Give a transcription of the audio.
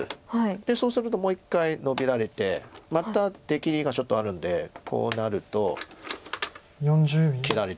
でそうするともう一回ノビられてまた出切りがちょっとあるんでこうなると切られて。